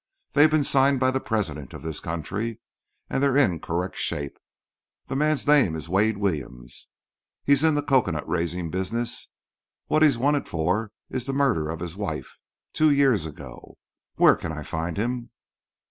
They've been signed by the President of this country, and they're in correct shape. The man's name is Wade Williams. He's in the cocoanut raising business. What he's wanted for is the murder of his wife two years ago. Where can I find him?"